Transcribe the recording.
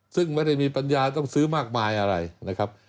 ซึ่งไม่ได้มีปัญญาต้องซื้อมากมายอะไรนะครับ